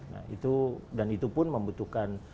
nah itu dan itu pun membutuhkan